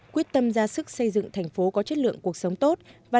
quyết tâm ra sức xây dựng thành phố có chất lượng cuộc sống tốt